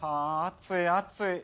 暑い暑い。